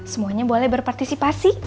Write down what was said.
semuanya boleh berpartisipasi